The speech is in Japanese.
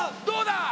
どうだ！